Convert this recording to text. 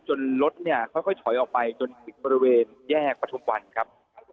รถเนี่ยค่อยถอยออกไปจนถึงบริเวณแยกประทุมวันครับ